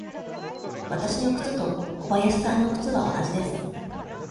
わたしの靴と小林さんの靴は同じです。